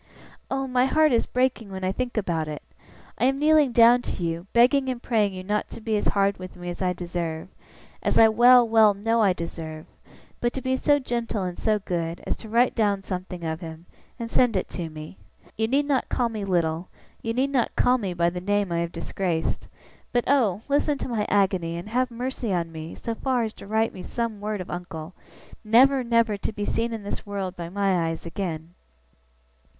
Oh, my heart is breaking when I think about it! I am kneeling down to you, begging and praying you not to be as hard with me as I deserve as I well, well, know I deserve but to be so gentle and so good, as to write down something of him, and to send it to me. You need not call me Little, you need not call me by the name I have disgraced; but oh, listen to my agony, and have mercy on me so far as to write me some word of uncle, never, never to be seen in this world by my eyes again!